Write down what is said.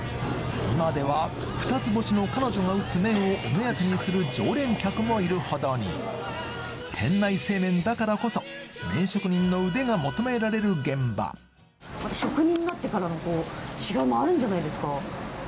今では二つ星の彼女が打つ麺をお目当てにする常連客もいるほどに店内製麺だからこそ麺職人の腕が求められる現場職人になってからの違いもあるんじゃないですか？